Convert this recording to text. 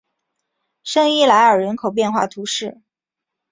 圣伊莱尔人口变化图示